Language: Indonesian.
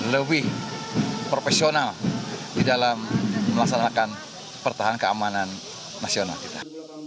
lebih profesional di dalam melaksanakan pertahanan keamanan nasional kita